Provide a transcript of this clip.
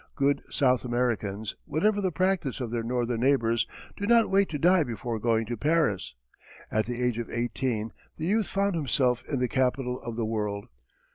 Good South Americans, whatever the practice of their northern neighbours, do not wait to die before going to Paris. At the age of eighteen the youth found himself in the capital of the world.